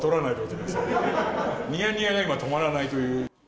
にやにやが今止まらないという。